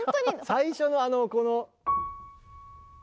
最初のあのこの。